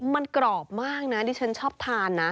มันกรอบมากนะดิฉันชอบทานนะ